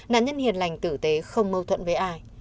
nạn nhân hiền lành tử tế không mâu thuẫn với ai